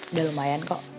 udah lumayan kok